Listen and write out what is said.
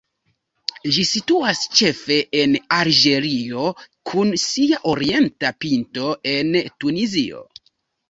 Ĝi situas ĉefe en Alĝerio, kun sia orienta pinto en Tunizio.